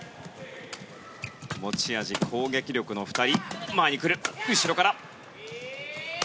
持ち味、攻撃力の２人。